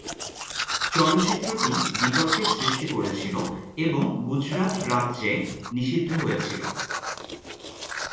চলচ্চিত্রটি বিতর্কের সৃষ্টি করেছিল এবং গুজরাট রাজ্যে নিষিদ্ধ হয়েছিল।